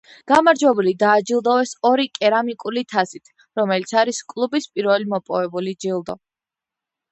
გამარჯვებული დააჯილდოვეს ორი კერამიკული თასით, რომელიც არის კლუბის პირველი მოპოვებული ჯილდო.